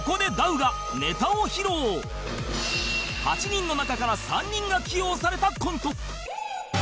８人の中から３人が起用されたコント